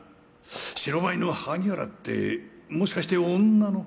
白バイの萩原ってもしかして女の。